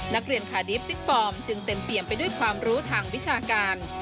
นักเรียนคาดีฟซิกฟอร์มจึงเต็มเปี่ยมไปด้วยความรู้ทางวิชาการ